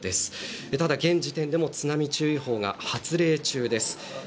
ただ現時点でも津波注意報が発令中です。